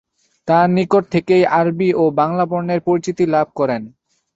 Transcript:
তাঁর নিকট থেকেই আরবি ও বাংলা বর্ণের পরিচিতি লাভ করেন।